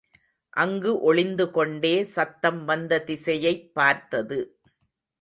அங்கு ஒளிந்துகொண்டே சத்தம் வந்த திசையைப் பார்த்தது.